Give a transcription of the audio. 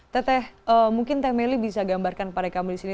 teteh mungkin teh meli bisa gambarkan kepada kami di sini